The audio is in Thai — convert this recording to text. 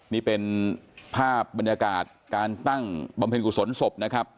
นี่เป็นภาพบรรยากาศการตั้งบำเพ็ญกุศลศพนะครับ